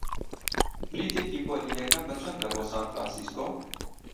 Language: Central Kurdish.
بلیتێکی پۆلی یەکەم بەچەندە بۆ سان فرانسیسکۆ؟